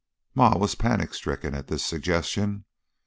Ma was panic stricken at this suggestion.